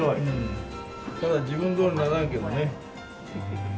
ただ、自分の思うどおりにならんけどね。